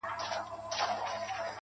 چي بیا به څه ډول حالت وي، د ملنگ,